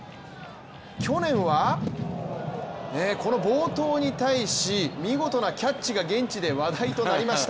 去年は、この暴投に対し見事なキャッチが現地で話題となりました。